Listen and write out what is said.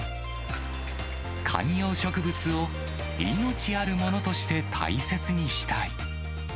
観葉植物を命あるものとして大切にしたい。